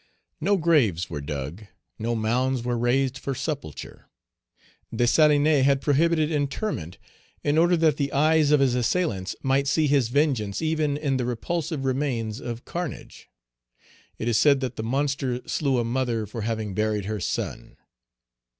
No graves were dug, no mounds were raised for sepulture. Dessalines had prohibited interment in order that the eyes of his assailants might see his vengeance even in the repulsive remains of carnage. It is said that the monster slew a mother for having buried her son.